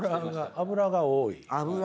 油が多い。